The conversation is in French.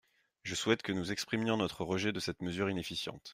Je souhaite que nous exprimions notre rejet de cette mesure inefficiente.